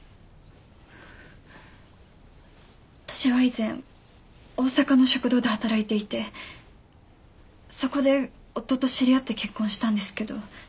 私は以前大阪の食堂で働いていてそこで夫と知り合って結婚したんですけど。